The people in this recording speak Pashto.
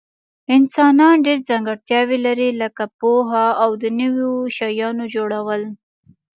انسانان ډیر ځانګړتیاوي لري لکه پوهه او د نوي شیانو جوړول